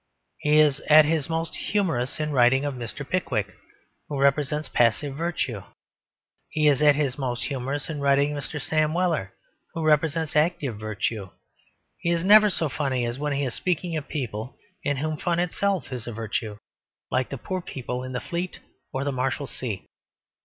He is at his most humorous in writing of Mr. Pickwick, who represents passive virtue. He is at his most humorous in writing of Mr. Sam Weller, who represents active virtue. He is never so funny as when he is speaking of people in whom fun itself is a virtue, like the poor people in the Fleet or the Marshalsea.